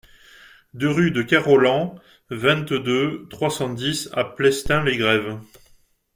deux rue de Ker Rolland, vingt-deux, trois cent dix à Plestin-les-Grèves